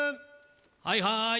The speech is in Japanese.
はいはい。